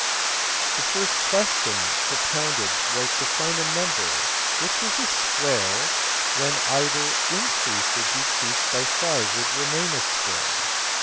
The first question propounded was to find a number of which the square when either increased or decreased by 5 would remain a square.